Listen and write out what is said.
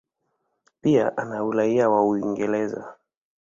Pia ana uraia wa Uingereza.